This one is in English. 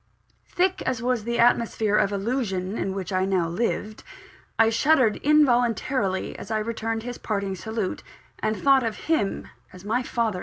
Thick as was the atmosphere of illusion in which I now lived, I shuddered involuntarily as I returned his parting salute, and thought of him as my father in law!